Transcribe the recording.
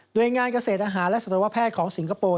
โดยงานเกษตรอาหารและสัตวแพทย์ของสิงคโปร์